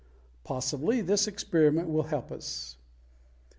Possibly this experiment will help us.